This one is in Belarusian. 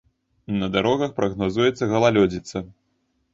На дарогах прагназуецца галалёдзіца.